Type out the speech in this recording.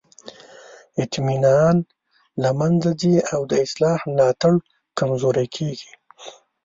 اطمینان له منځه ځي او د اصلاح ملاتړ کمزوری کیږي.